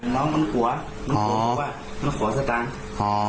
น้องมันกลัวมันกลัวสตางค์